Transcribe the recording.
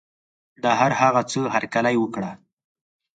د هر هغه څه هرکلی وکړه.